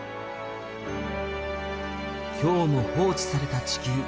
今日も放置された地球。